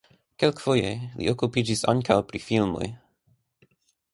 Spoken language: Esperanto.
Kelkfoje li okupiĝis ankaŭ pri filmoj.